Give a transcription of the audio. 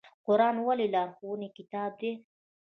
قرآن ولې د لارښوونې کتاب دی؟